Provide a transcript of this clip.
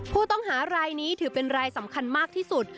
ผู้ต้องหารายนี้ถือเป็นรายสำคัญมากที่สุด